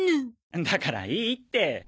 だからいいって。